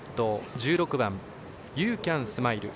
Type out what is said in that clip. １６番ユーキャンスマイル。